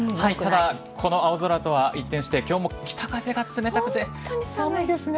ただ、この青空とは一転して今日も北風が冷たくて。